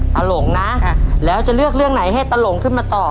หลงนะแล้วจะเลือกเรื่องไหนให้ตะหลงขึ้นมาต่อ